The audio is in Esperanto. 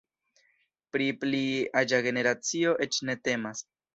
Pri pli aĝa generacio eĉ ne temas.